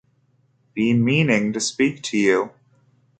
Been meaning to speak to you.